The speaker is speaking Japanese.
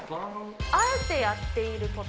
あえてやっていること。